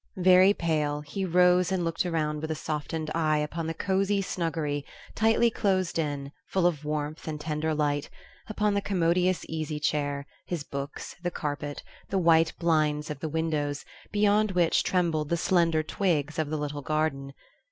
Very pale, he rose and looked around with a softened eye upon the cosy snuggery, tightly closed in, full of warmth and tender light upon the commodious easy chair, his books, the carpet, the white blinds of the windows, beyond which trembled the slender twigs of the little garden.